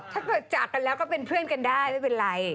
ถ้าเกิดจากกันแล้วก็เป็นเพื่อนกันได้ไม่เป็นไร